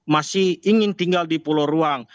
masih ingin tinggal di pulau ruang